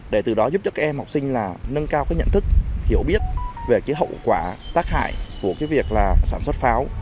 để từ đó giúp cho các em học sinh là nâng cao cái nhận thức hiểu biết về cái hậu quả tác hại của cái việc là sản xuất pháo